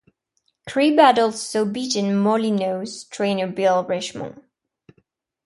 Cribb had also beaten Molineaux's trainer Bill Richmond.